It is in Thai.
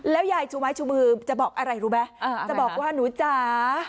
ยายชูไม้ชูมือจะบอกอะไรรู้ไหมจะบอกว่าหนูจ๋า